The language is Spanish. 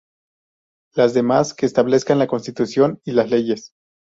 Las demás que establezcan la Constitución y las leyes.